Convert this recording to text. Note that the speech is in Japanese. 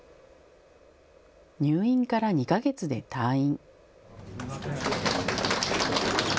入院から２か月間で退院。